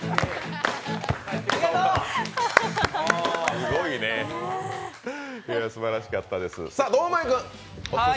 すごいね、すばらしかったです。